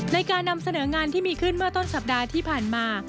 ในการนำเสนองานที่มีขึ้นเมื่อต้นสัปดาห์ที่ผ่านมา